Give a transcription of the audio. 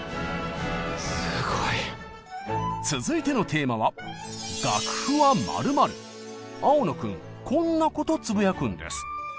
すごい。続いてのテーマは青野君こんなことつぶやくんです。